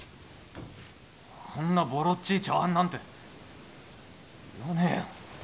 こんなボロっちい茶わんなんていらねえよ。